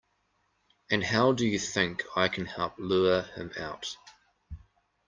And how do you think I can help lure him out?